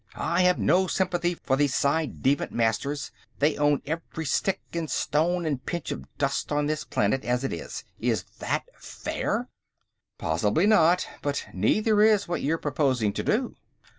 "I have no sympathy for these ci devant Masters. They own every stick and stone and pinch of dust on this planet, as it is. Is that fair?" "Possibly not. But neither is what you're proposing to do."